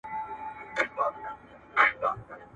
پر سپین تندي به اوربل خپور وو اوس به وي او کنه!